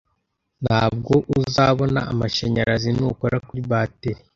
Ntabwo uzabona amashanyarazi nukora kuri bateri